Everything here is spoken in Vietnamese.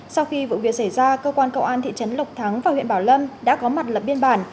sau khi vụ việc xảy ra cơ quan công an thị trấn lộc thắng và huyện bảo lâm đã có mặt lập biên bản